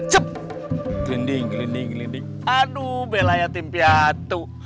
gelinding gelinding gelinding aduh belanya tim piatu